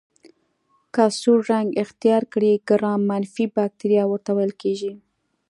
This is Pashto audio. که سور رنګ اختیار کړي ګرام منفي بکټریا ورته ویل کیږي.